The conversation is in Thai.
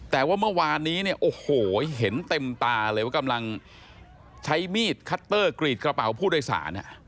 แต่ว่าเมื่อวานนี้เนี่ยโอ้โหเห็นเต็มตาเลยว่ากำลังใช้มีดคัตเตอร์กรีดกระเป๋าผู้โดยสาร